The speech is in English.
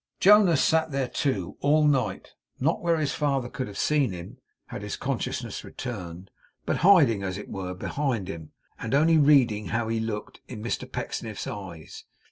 Jonas sat there, too, all night; not where his father could have seen him, had his consciousness returned, but hiding, as it were, behind him, and only reading how he looked, in Mr Pecksniff's eyes.